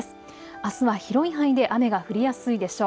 あすは広い範囲で雨が降りやすいでしょう。